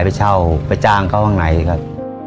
ไปเช่าไปจ้างเขาข้างในครับ